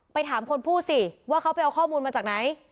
ถามคนพูดสิว่าเขาไปเอาข้อมูลมาจากไหน